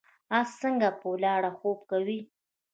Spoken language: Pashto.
اس څنګه په ولاړه خوب کوي؟